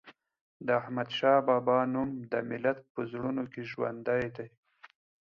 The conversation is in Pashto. د احمد شاه بابا نوم د ملت په زړونو کې ژوندی دی.